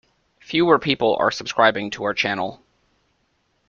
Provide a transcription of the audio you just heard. Fewer people are subscribing to our channel.